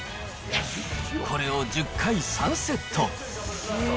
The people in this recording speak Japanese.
これを１０回３セット。